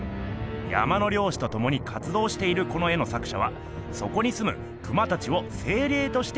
山のりょうしとともにかつどうしているこの絵の作しゃはそこにすむクマたちをせいれいとして描いてるんですよ。